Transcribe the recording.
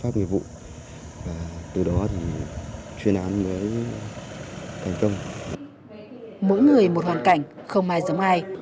mỗi người một hoàn cảnh không ai giống ai